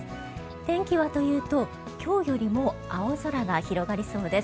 天気はというと、今日よりも青空が広がりそうです。